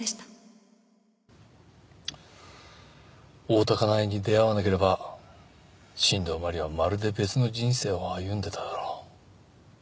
大多香苗に出会わなければ新道真理はまるで別の人生を歩んでいただろう。